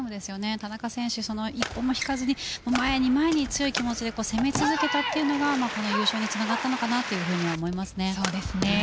田中選手、一歩も引かずに前に前に強い気持ちで攻め続けたというのが優勝につながったのかなと思います。